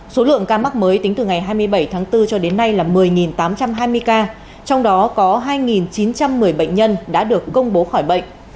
số lượng ca mắc mới tính từ ngày hai mươi bảy tháng bốn cho đến nay là một mươi tám trăm hai mươi ca trong đó có hai chín trăm một mươi bệnh nhân đã được công bố khỏi bệnh